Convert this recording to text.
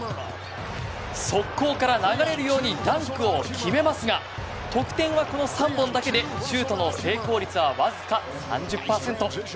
速攻から流れるようにダンクを決めますが得点はこの３本だけでシュートの成功率はわずか３０％。